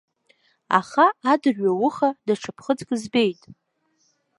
Аха адырҩауха даҽа ԥхыӡк збеит.